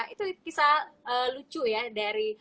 itu kisah lucu ya dari